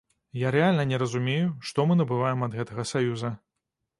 Я рэальна не разумею, што мы набываем ад гэтага саюза.